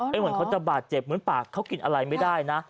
เหมือนเขาจะบาดเจ็บมื้อปากเขากินอะไรไม่ได้นะ